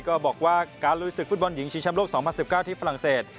ก็บอกว่าการลุยศึกฟุตบอลหญิงชิงชำโลก๒๐๑๙ที่ฝรั่งเศส